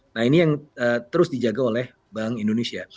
nah ini yang terus dijaga oleh bank indonesia